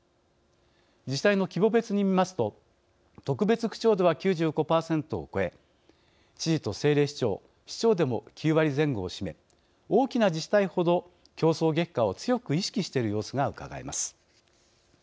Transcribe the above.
自治体の規模別に見ますと特別区長では９５％を超え知事と政令市長、市長でも９割前後を占め大きな自治体程、競争激化を強く意識している様子がうかがえます。